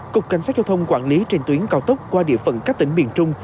cục cảnh sát giao thông quản lý trên tuyến cao tốc qua địa phận các tỉnh miền trung